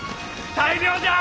大漁じゃ！